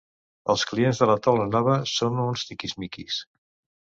Els clients de la taula nova són uns tiquis-miquis.